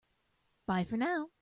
Bye for now!